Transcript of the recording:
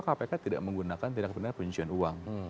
kpk tidak menggunakan tidak benar penyusuan uang